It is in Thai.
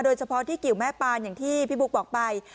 โดยเฉพาะที่กิวแม่ปานอย่างที่พี่บุ๊คบอกไป